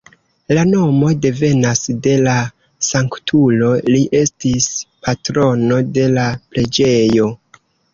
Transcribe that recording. La nomo devenas de la sanktulo, li estis patrono de la preĝejo.